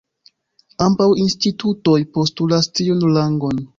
Ambaŭ institutoj postulas tiun rangon.